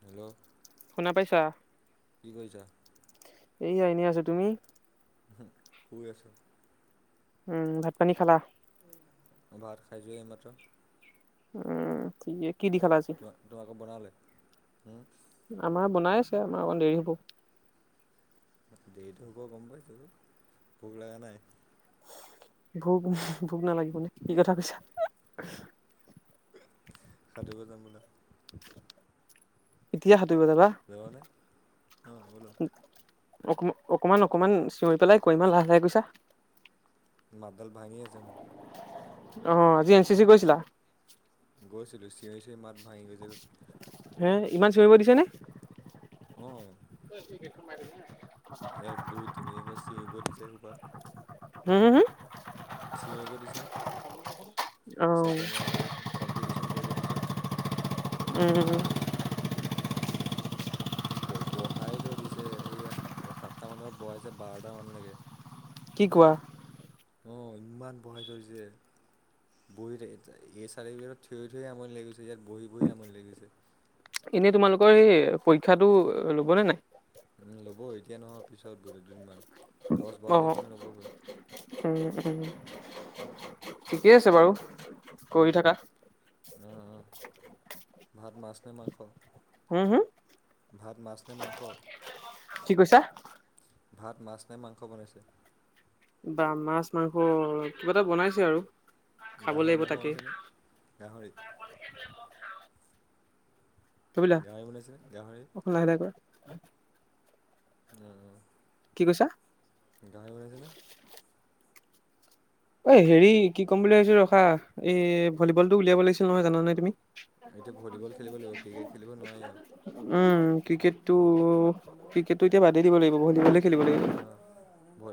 Hello শুনা পাইছা কি কৰিছা? এইয়া এনে আছোঁ। তুমি? শুই আছোঁ। উম, ভাত পানী খালা? ভাত খাইছোঁ হে এইমাত্ৰ। উম, ঠিক এ। তোৱা তোমালোক বনালে? হু আমাৰ বনাই আছে। আমাৰ অকন দেৰি হ'ব। দেৰিটো হ'ব গম পাইছোঁ। ভোক লগা নাই? ভোক ভোক নালাগিবনে কি কথা কৈছা? সাতুৰিব যাওঁ ব'লা। এতিয়া সাত যাবা নে? অ' ব'লা। অকমা অকমান অকমান চিঞৰি পেলাই কোৱাঁ। ইমান লাহে লাহে কৈছা। মাতডাল ভাঙি আছে মোৰ। অ', আজি এন চি চি গৈছিলা? গৈছিলোঁ। চিঞৰি চিঞৰি মাত ভাঙি গৈছিল। হে ইমান চিঞৰিব দিছে নে? অ'। [unintelligible] এক, দুই, তিনিয়ে একে চিঞৰিব দিছে [unintelligible] [unintelligible] চিঞৰিব দিছে। অ উম ছেকেণ্ড ইয়াৰ লগত কম্পিটিচন কৰিব দিছে। উম। [inaudible] ব- বহাই থৈ দিছে। এই সা সাতটা মানৰ পৰা বহাইছে বাৰটা মানলৈকে- কি কোৱা? অ', ইমান বহাই থৈ দিছে। বহি থাক থা এই চাৰি [unintelligible] থিয়ৈ থিয়ৈ আমনি লাগি গৈছে, ইয়াত বহি বহি আমনি লাগি গৈছে। এনেই তোমালোকৰ এই পৰীক্ষাটো ল'বনে নাই? উম, ল'ব এতিয়া নহয় পিছত বোলোঁ দুদিনমান। দহ বাৰ অ তাৰিখ মানে ল'বগৈ। উম উম, ঠিকেই আছে বাৰু। কৰি উম, থাকা অ অ', ভাত মাছ নে মাংস? হুম হুম ভাত মাছনে মাংস? কি কৈছা ভাত মাছ নে মাংস বনাইছে? বা মাছ মাংস কিবা এটা বনাইছে আৰু। খাব গাহৰি লাগিব মাংস তাকে বনাইছে নে? গাহৰি। তবিলা, গাহৰি বনাইছেনে? গাহৰি অকন লাহে লাহে কৰা। অ অ'। কি কৈছা? গাঁহৰি বনাইছেনে? অই হেৰি, কি ক'ম বুলি ভাবিছোঁ ৰখা এই ভলীবলটো উলিয়াব লাগিছিল নহয়, জানানে তুমি? এতিয়া ভলীবল খেলিব লাগিব ক্ৰিকেট খেলিব নোৱাৰি আৰু [unintelligible] উম। ক্ৰিকেট টো ক্ৰিকেটটো এতিয়া বাদেই দিব লাগিব ভলীবলে- খেলিব লাগিব। অ' ভ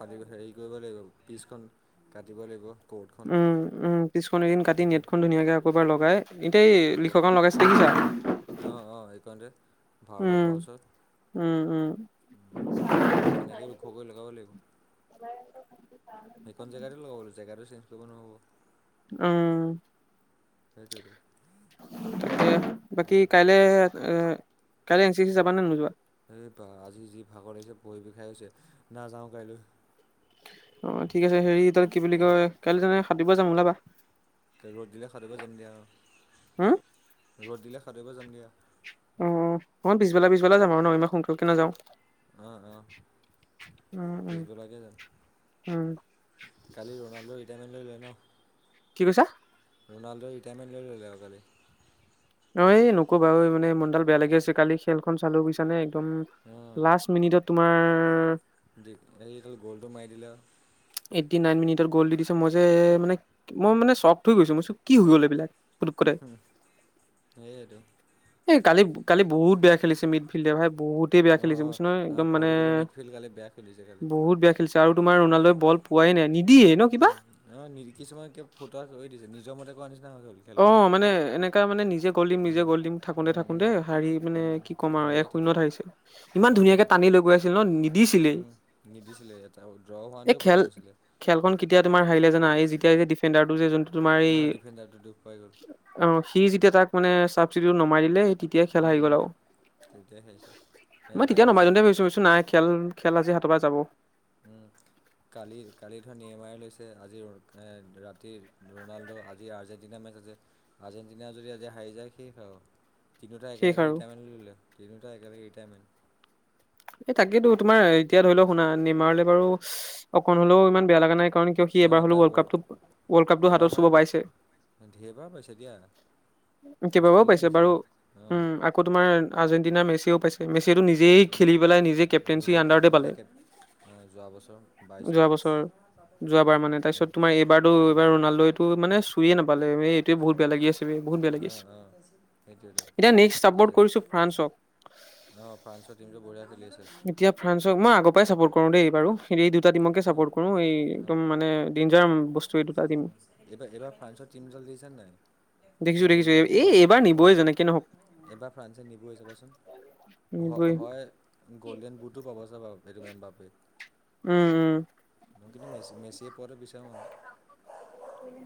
ফালি হেৰি কৰিব লাগিব। পিচখন কাটিব লাগিব। ক'ৰ্টখন উম, উম। পিছখন এদিন কাটি নেটখন ধুনীয়াকে আকৌ এবাৰ লগাই এতিয়া এ আকৌ লিখক [unintelligible] লগাইছে দেখিছা? অ' অ', এইকনতে ভাৰত উম ঘৰ ওচৰত। উম উম [unintelligible] তেনেকে ওখ কৰি লগাব লাগিব। সেইকন জেগাতে লগাব লাগিব। জেগাটো চেঞ্জ কৰিব নহ'ব। উম। সেইটোৱেইটো- তাকে বাকী কাইলে জেগা এ কাইলে এন চি এ চি যাবানে নোযোৱা? এই বা আজি যি ভাগৰ লাগিছে ভৰি বিষাই গৈছে নাযাওঁ কাইলৈ। অ' ঠিক আছে হেৰি তাত কি বুলি অঁ কয়। কাইলৈ তেনে সাঁতুৰিব যাম ওলাবা। ত ৰ'দ দিলে সাঁতুৰিব যাম দিয়া আৰু- হা? ৰ'দ দিলে সাঁতুৰিব যাম দিয়া। অ' অকণ পিছবেলা পিছবেলা যাম আৰু ন ইমান সোনকালে নাযাওঁ। আহ' আহ' উম, উম, পিছবেলাকে যাম। উম, কালি ৰনাল্ডো এটনে লৈ লয় ন। কি কৈছা? ৰণাল্ডো ৰিটায়াৰমেণ্ট লৈ ল'লে আৰু কালি। অ' এই নকো বাৰু মানে মন ডাল বেয়া লাগি আছে কালি খেলখন চালো বুইছানে। একদম অ লাষ্ট মিনিটত তোমাৰ। গ'লটো মাৰি দিলে আৰু। এইটী নাইন মিনিটত গ'ল দি দিছে, মই যে মানে মই মানে চফ্ট হৈ গৈছো, মই চোক কি হৈ গ'ল এইবিলাক। পুতুকতে। উম, সেইয়েটো। এ কালি কালি বহুত বেয়া খেলছে মিড ফিল্ডে ভাই। বহুতেই বেয়া অ খেলিছে বুজিছে নহয়, অ একদম মানে পৰ্টুগালৰ মিডফিল্ড কালি বেয়া খেলিছে কালি বহুত বেয়া। আৰু তোমাৰ ৰোনাল্ডোই বল পোৱাই নাই নি- উম, অ' কিছুমান ক ফটো দিছে নিজৰ মতে কো আনিছে। অ' মানে এনেকা মানে নিজে গল দিম নিজে উম, গল দিম থাকোতে উম, থাকোতে উম, হাৰি মানে উম, কি ক'ম আৰু হাৰিয়ে এক শূন্যত থাকিলগৈ হাৰিছে ইমান উম, ধুনীয়াকে টানিল গৈ আছিলে ন নিদিছিলেই। উম। নিদিছিলে। এটা ড্ৰ এই হোৱাহেঁতেও কথা খেল নাছিলে খেলখন কেতিয়া তোমাৰ হাৰিলে জানা এই যেতিয়া এই যে ডিফেণ্ডাৰটো যে যোনটো তোমাৰ এই অ' ডিফেণ্ডাৰ টো দুখ। পাই গ'ল। অ' সি যেতিয়া তাক মানে চাবচিডিটো নমাই দিলে। তেতিয়াই খেল হি উম, গ'ল উম, আৰু তেতিয়াই হাৰিছে। এ মই এতিয়া তেতিয়া আজি নমাই দিওতে বা ভাবিছো নাই খেল। খেল আজি হাতৰ পৰা যাব। উম। কালি কালি ধৰ নেমাৰি লৈছে, আজি এ ৰাতি ৰনাল্ডো আজি আৰ্জেণ্টিনা মেচ আৰ্জেণ্টিনা যদি আজি হাৰি যায় শেষ আৰু। দুটা শেষ একেলগে আৰু ৰিটায়াৰমেণ্ট লয়'ললে তিনিটা একেলগে ৰিটায়াৰমেণ্ট। এই তাকেতো তোমাৰ এতিয়া ধৰি লওঁ শুনা নিমাৰলে বাৰু অকন হ'লেও ইমান বেয়া লগা নাই। কাৰণ কিয় সি অ', এবাৰ হ'লে তাৰ ৱৰ্ল্ড কাপটো ৱৰ্ল্ড কাপটো হাতত চুব পাইছে। ধেইবা পাইছে দিয়া। কেইবাবাও অষ্ট্ৰেলিয়াৰ পাইছে বাৰু। নিচিনা অঁ উম, আকৌ তোমাৰ আৰ্জেণ্টিনাৰ মেচিয়েও পাইছে, মেচিয়েও নিজে। সি অঁ খেলি পেলাই নিজে কেপ্টেনছি নিজে আন্দাৰতে পালে নিজে কে যোৱা বছৰ বাইছত যোৱা বছৰ। যোৱাবাৰ মানে অঁ তাৰপিছত তোমাৰ এইবাৰো এইবাৰ ৰোনাল্ডোইটো মানে চুইে নাপালে। এইটোৱে বহুত বেয়া লাগি আছে বে, বহুত বেয়া আহ লাগি আছে আহ সেইটোৱে এতিয়া নেক্সট চাপৰ্ট আজি কৰিছো ফ্ৰান্সক অ' ফ্ৰান্সৰ টিম টো বঢ়িয়া খেলি আছে। এতিয়া ফ্ৰান্সক মই আগৰ পৰাই চাপোৰ্ট কৰো দেই বাৰু এই দুটাটিমকে অঁ চাপৰ্ট কৰো এই অঁ একদম মানে যাম বস্তু এই দুটা দিম। এইবাৰ হীৰাণ ফ্ৰান্সৰ টিমডল দিছে নাই। দেখিছো দেখিছো ডেঞ্জাৰ টিম এই বনাইছে এইবাৰ নিবই যেনেকে নহওক বাৰ এবাৰ ফ্ৰান্সে নিবই চাবাচোন। হয় নিবই। হয় গ'ল্ডেন বুটটো পাব চাবা সেইটো বাপেত উম, উম। মই কিন্তু মে মেছিয়ে পোৱাটো বিচাৰোঁ আৰু।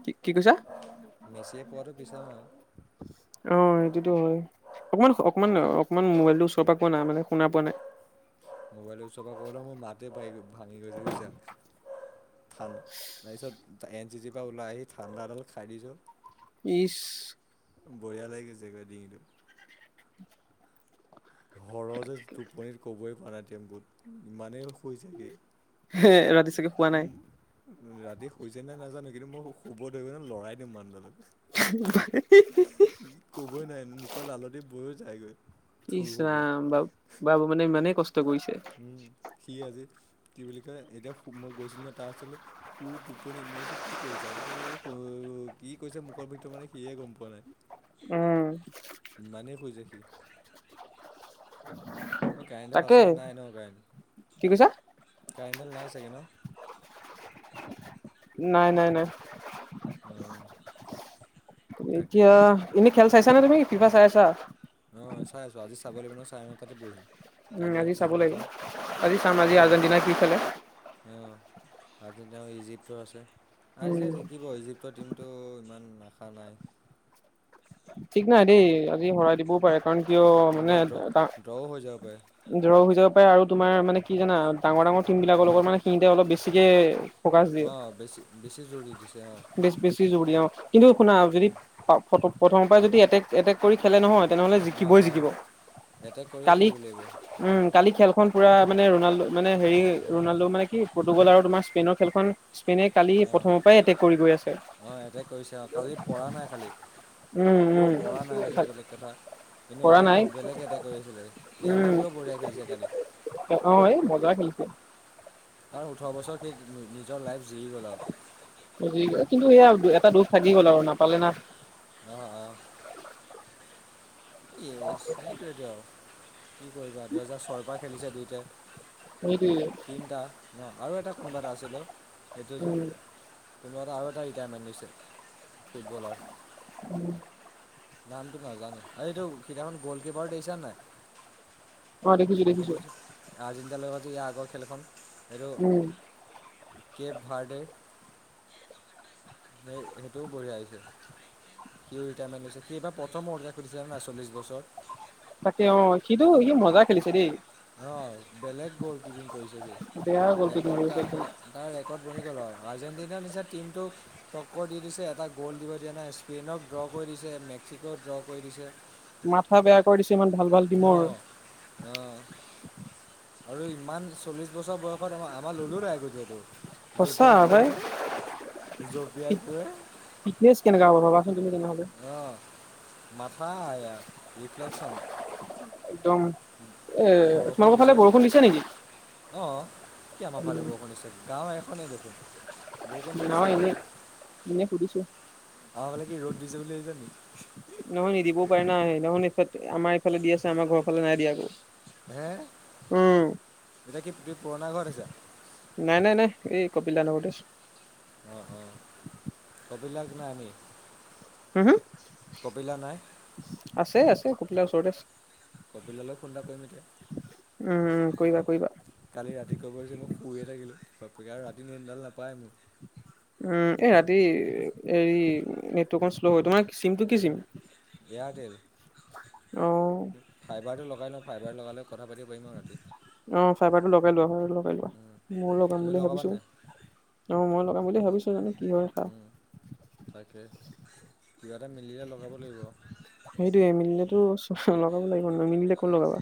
কি কি কৈছা? মেছিয়ে পোৱাটো বিচাৰোঁ অঁ। যিটো হয় অকনমান অকনমান আৰু অকনমান মোবাইল টো ওচৰৰ পৰা কোৱা না মানে শুনা পোৱা নাই। মোবাইলৰ ওচৰ পৰা ক'লে মোৰ মাতে পাই ভাঙি গৈছে বুজিছা। তাৰপিছত এন চি জিৰ পৰা ওলাই আহি ঠাণ্ডাডাল খাই দিলো। ইচ। বঢ়িয়া লাগি গৈছে ডিঙিটো। সৰজে টোপনিত ক'বই পৰা নাই টেম্পুত ইমানেই শুইছে সি। সি শুৱা নাই। ৰাতি শুই হৈছে নাই নাজানো। কিন্তু মই শুব ধৰিলে লৰাই দিও মানুহজনক। ক'বই নোৱাৰে মুখৰ লালতি বৈ যায়গৈ। ধুই সোপা ইছৰাম বাবু মানে ইমানেই কষ্ট উম কৰিছে। সি আজি কি বুলি কয় এতিয়া মই গৈছিলোঁ নহয় তাৰ ওচৰলৈ। শুই টোপনি মই কইছো কি কৰিছা কি কৰিছে মুখত ভ [unintelligible] মানে সিয়ে গম পোৱা নাই উম ইমানেই শুইছে সি। অ' কাৰেন্ট ডাল তাকে আছে নে নাই ন, কি কৈছা কাৰেন্ট ডাল নাই চাগে ন? নাই- নাই- নাই অ'। এতিয়া এনেই খেল চাইছা নে তুমি? ফিফা চাই আছা? অ' চাই আছো। আজি চাব লাগিব নহয় চাৰে ন টা তাতে বঢ়িম। উম আজি চাব লাগিব। আজি চাম আজি আৰ্জেণ্টিনাই কি ফালে? অঁ আৰ্জেণ্টিনা আৰু ইজিপ্তৰ আছে। আৰ্জেন্টিনা উম জিকিব ইজিপ্তৰ টিমতটো ইমান আশা নাই। ঠিক নাই দেই আজি হৰাই দিবও পাৰে। কাৰণ কিয় মানে নহ'বা ড্ৰ তাত ড্ৰও হৈ যাব পাৰে ড্ৰৰ হৈ যাব পাৰে। আৰু তোমাৰ মানে কি জানা ডাঙৰ, ডাঙৰ টিম বিলাক লগত মানে সিহঁতে অলপ বেছিকে ফকাচ দিয়ে অ' বেছি, বেছি জোৰ দি দিছে অঁ বেছ বেছি জোৰ দিয়ে অ'। কিন্তু শুনা যদি প্ৰথমৰ পৰা যদি এটেক এটেক খেলে নহয় তেনেহলে অঁ জিকিবই অঁ জিকিব। এটেক কৰিয়ে কালি খেলিব লাগিব উম কালি খেলখন পুৰা মানে ৰণাল্ডো মানে হেৰি ৰনাল্ডো মানে কি পতুগল আৰু তোমাৰ স্পেইনৰ খেলখন স্পেইনে কালি অঁ প্ৰথমৰ পৰাই এটেক কৰি গৈ আছে। অঁ এটেক কৰিছে অঁ কালি পৰা নাই খালি উম পৰা নাই -উম এইটো খা বেলেগ কথা কিন্তু এটেক বেলেগ এটেক কৰি আছিলে উম য়ামালিও বঢ়িয়াই কৰিছে কালি। অ' এই মজা খেলিছে। কাৰণ ওঠৰ বছৰ সি নি- নিজৰ লাইফ জিৰি গ'ল আৰু কিন্তু সেয়া এটা দুখ থাকি গ'ল আৰু নাপালে না। আহ -আহ। এই সেইটোৱে টো আৰু। কি কৰিবা দুহেজাৰ ছয়ৰ পৰা খেলিছে সেইটোৱে দুইটাই। তিনিটা ন আৰু এটা কোনোবা এটা আছিলে। সেইটো যে উম কোনোৱা এটা আৰু এটা ৰিটায়াৰমেণ্ট লৈছে ফুটবলাৰ নামটো নাজানো। এইটো সেইদিনাখন গ'ল কিপাৰ দেখিছা নাই? অ' দেখিছো, দেখিছো। আৰ্জেণ্টিনা ৰ লগত ইয়াৰ আগৰ খেল খন। উম। কেপ ভাৰডে সেইটোও বঢ়িয়া আহিছে। সিও ৰিটাইমেণ্ট লৈছে। সি এইবাৰ প্ৰথম ওৱল্ডকাপ খেলিছে জানা চল্লিশ বছৰত। তাকে অ' সিটো সি মজা খেলিছে দেই। অ' বেলেগ গ'ল কিপিং কৰিছে সি। বেয়া গ'ল ৰেৰ্ড কৰিছে একদম তাৰ ৰেকৰ্ড বনি গ'ল আৰু আৰ্জেণ্টি না নিচিনা টিমটোক টক্কৰ দি দিছে এটা গ'ল দিব দিয়া নাই স্পেইনক ড্ৰৰ কৰি দিছে মেক্সিক' দ কৰি দিছে। মাথা বেয়া কৰি দিছে ইমান ভাল ভাল ন' ডিমৰ। অ', আৰু ইমান চল্লিছ বছৰ বয়সত আম আমাৰ ল'লোঁ ন, আগতিয়টো জঁপিয়াই ফে যে। জঁপিয়াই ফুৰে পিকনে কেনে গা [unintelligible] মাফা, আয়া ৰিফ্লেকচন। একদম এ বৰষুণ তোমালোকৰ ফালে দিছে, বৰষুণ নেকি অঔ অ' কি আমাৰ ফালে বৰষুণ দিছে। গাঁও এখনেই দেখোন। বৰষুণ নহয় দিছে এনে আৰু, এনে সুধিছো আমাৰফালে কি ৰ'দ দিছে বুলি ভাবিছা নেকি? নহয় নিদিবও পাৰি না, নহয়নফালে আমাৰ এইফে দি আছে আমাৰ ঘৰৰ ফালে নাই দিয় আকৌ। হে, উম এতিয়া কি তি পুৰণা ঘৰত আছা? ক পিলা নে গোটেই? অ' অ' কবিলাক ন আমি। হম হ, কপিলা নাই আছে আছে কপিলাৰ ওচৰতে আছে। কপিললৈও খুন্দা কৰিম এতিয়া। উম উম কৰিবা কৰিবা কালি ৰাতি ক'ব গৈছে মই শুয়ে থাকিলোঁকে আৰু ৰাতি ননডাল নাপায় মোৰ। উম, এই ৰাতি হ নেটক শ্ল' হয় তোমাৰ চিমটো কি চিম এয়াৰটেল, অ ফাইবাৰটো লগাই নক ফাইবাৰ লগালে কথা পাতিব পাৰিম আৰু ৰাতি অ' ফাইবাৰ টো লগাই লোৱা, ফাৰ লগাই লোৱা উম, ময় লগাম তুমি বুলি লগাবা ভাবিছো। নাই অ' মই লগাম বুলি ভাবিছো জানো কি হল এটা। উম, তাকে কিবা এটা মিলে লগাব লাগিব। সেইটোয়ে মিলিলেটো চব লগাব লাগিব, নিমিলিলে ক'ত লগাবা।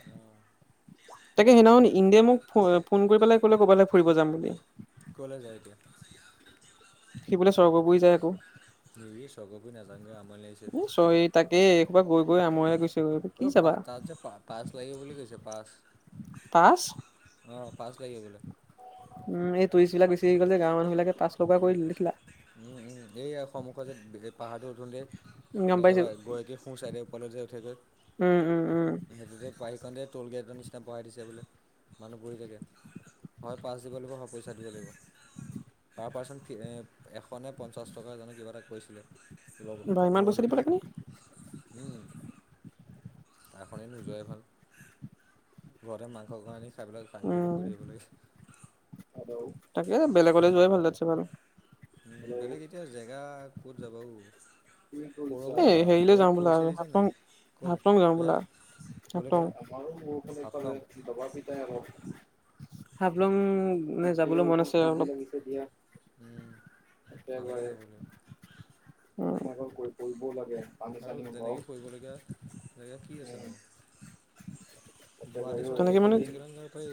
তাকে, সেইদিনাখন ইন্দে মোক ফোএ ফোন কৰি পেলাই কলে কবালৈ ফুৰিব যাম বুলি। কলে, যায় এতিয়া [unintelligible] সি বোলে সৰ্গ পুৰি যায় আকৌ। ৰি সৰ্গ পুৰি নেজাওঁগৈ আমনি লাগিছে। এ চৰি [unintelligible] গৈ গৈ আমুৱাই গৈছে। গৈ কি অ' পা যাবা তাত যে পা পাছ লাগিব বুলি কৈছে পাছ পাছ অ' পাছ লাগিব বোলে পা [unintelligible] বিচাৰি গ'লে গাঁৱৰ মানুহবিলাকে উম উম উম এইয়া সমূখতে যে পাহাৰটো উঠোতে। গম পাইছো একেবাৰে গৈকী সো চাইডে, ওপাললৈ যে উঠে যে উম উম উম সেইটোজে পাইছনে। টো'ল গেটৰ নিচিনা বঢ়াই দিছে বোলে, মানুহ বহি থাকে। হয় পাঁচ দিব লাগিব, নহয় পইচা দিব লাগিব। পাৰ পাৰ্চন থি এ এশ নে পঞ্চাছ টকা জানো কিবা এটা কৈছিলে। লগৰ বা ইমান লগৰ পইচা দিব দুটাই লাগেনে? উম। তাৰ সলনি নোযোৱাই ভাল, ঘৰতে মাংস অকমাণ আনি [unintelligible] খাই বৈ লৈ উম শুই থাকিব লাগে। তাকে বেলেগলে যোৱাই ভাল [unintelligible] উম বেলেগ এতিয়া জেগা ক'ত যাবা ঔ? সৌৰভো [unintelligible] এ বা হেৰিলে সৌৰভ যাওঁ বলা, ফুৰিছে আৰু দেখিছা নাই? হাফলং ক'লে হাফলং যাওঁ হা বলা। [unintelligible] ক'লে আমাৰো ক'লে বৰষুণে হাফলং। পালে দবাপিতাই হওক। হাফলং নে যাবলৈ মন আছে আৰু [unintelligible] দিয়া। উম আমি এতিয়া যাব [unintelligible] [unintelligible] আৰু যেনেকে কৰিবলগীয়া জেগা কি আছেনো? গুৱাহাটী চুৱাহাটী এক'লেণ্ড চেক'লেণ্ড যাব পাৰি।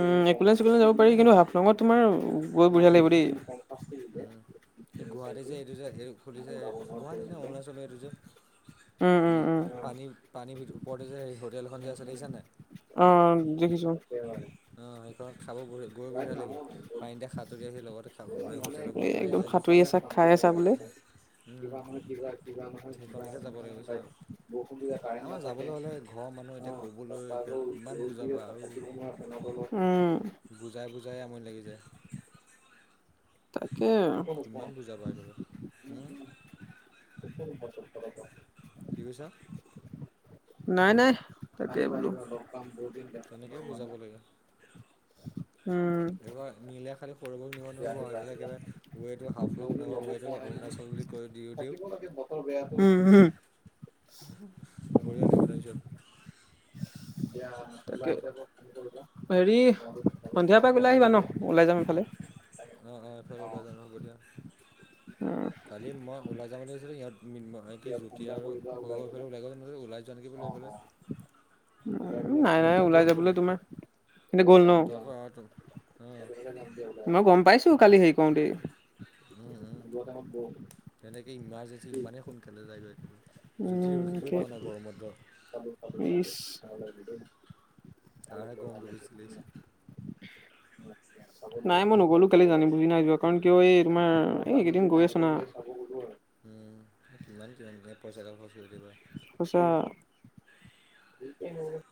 উ এক'লেণ্ড চেক'লেণ্ড যাব পাৰি, কিন্তু হাফলংত তোমাৰ গৈ বঢ়িয়া লাগিব দেই। উম, এই গুৱাহাটী যে এইটো যে হে এইটো যে গুৱাহাটীনে অৰুনাচলৰ এইটো যে উম, পানী-পানী ওপৰতে যে এই হোটেল খন যে আছে দেখিছানে নাই? অ', দেখিছো। অ', হেইখনত খাব বঢ়ি-গৈ বঢ়িয়া লাগিব। পানীতে সাঁতুৰি আহি লগতে খাব পৰা হোটেলৰ বস্তু আহি যায় যে। চাবলে উম, কিবা বোলে কিবা নহয় কিবা, কিবা নহয় সেইখনলৈকে যাব লাগিব কিবা বুজিছা বৰষুণ দিলে কাৰেণ্ট আমাৰ নাথাকে। যাবলৈ হ'লে ঘৰৰ মানুহ এতিয়া অ', ক'বলৈ তাপা এতিয়া আকৌ কিমান ৰ'দ দিলে বুজাবা তাত আৰু থাকিব নোৱা নগলো। উম। যাই আমনি লাগি যায়। তাক কিমান বুজাবা এইদালক। উম। [unintelligible] কি কৈছা? নাই, নাই। তাকে বোলো। এবাৰ লগ পাম পাম বহুদিন দেখা-শুনা তেনেকেই হোৱা বুজাব নাই। লাগে উম। বৰষুণ দিব [unintelligible] একেবাৰে ওৱেটো হাফলং, [unintelligible] ওৱেটো অৰুণাচল বুলি কৈ দি দিওঁ হম, হম। বঢ়িয়াকে বনাইছে তাকে হেৰি সন্ধিয়া এপাক ওলাই আহিবা ন? ওলাই যাম এফালে। অ', অ', এইফাল ওলাই যাব হ'ব এতিয়া। কালি মই ওলাই যাব ধৰিছিলো সিহঁত মৃন্ময় কি জ্যোতি আৰু সৌৰভে ওলাই গৈ, ওলাই যোৱা নেকি বোলো এইফালে নাই, নাই। ওলাই যাবলৈ তোমাৰ কিন্তু গ'ল ন? তই আকৌ অঁ তো অঁ মই গম পাইছো কালি হে কওঁতেই। উম, উম। তেনেকে ইমাৰজেঞ্চি ইমানেই সোনকালে যায়গৈ একবাৰে জ্যোতি ৰখিবই উমকে পৰা নাই গৰমত ইচ! তাৰহে গৰমটো বেছি লাগিছে। নাই মই নগলো কালি জানি-বুজি নাই যোৱা। কাৰণ কিয় এই তোমাৰ এই এইকেইদিন গৈ আছো না। উম, কিমান [unintelligible] পইচাগাল খৰচ কৰি দিয়ে বা সচাঁ